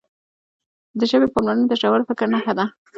د ژبې پاملرنه د ژور فکر نښه ده.